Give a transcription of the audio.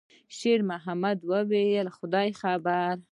شېرمحمد وویل: «خدای خبر.»